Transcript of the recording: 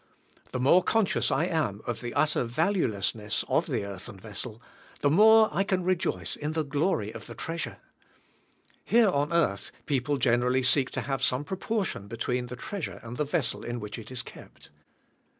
The more conscious I am of the utter valuelessness of the earthen vessel, the more I can rejoice in the glory of the treasure. Here on earth people g enerally seek to have some proportion between the treasure and the vessel in which it is kept.